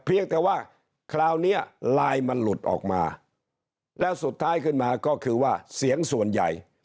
เพียงแต่ว่าคราวนี้ไลน์มันหลุดออกมาแล้วสุดท้ายขึ้นมาก็คือว่าเสียงส่วนใหญ่